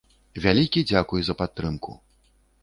Вялікі дзякуй за падтрымку.